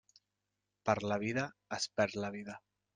Per la vida, es perd la vida.